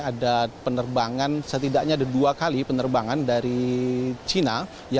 ada penerbangan setidaknya ada dua kali penerbangan dari china